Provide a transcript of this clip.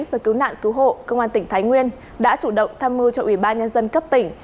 và cứu nạn cứu hộ công an tỉnh thái nguyên đã chủ động tham mưu cho ủy ban nhân dân cấp tỉnh